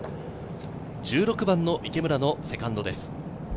１６番の池村のセカンドです。